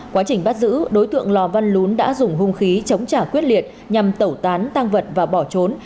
quá trình bắt giữ đối tượng lò văn lún đã dùng hung khí chống trả quyết liệt nhằm tẩu tán tăng vật và bỏ trốn